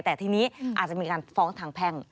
แต่ทีนี้อาจจะมีการฟ้องทางแพ่ง